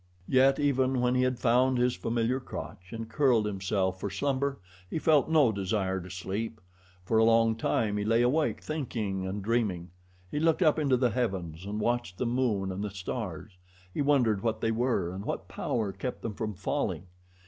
Yet even when he had found his familiar crotch and curled himself for slumber, he felt no desire to sleep. For a long time he lay awake thinking and dreaming. He looked up into the heavens and watched the moon and the stars. He wondered what they were and what power kept them from falling.